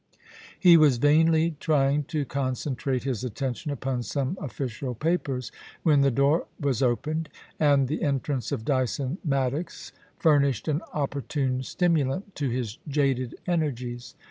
He was vainly trying to concentrate his attention upon some official papers, when the door was opened, and the entrance of Dyson Maddox furnished an opportune stimu lant to his jaded energies.